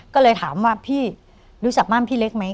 ก็เลยถามว่าพี่รู้จักม่ามพี่เล็กไหม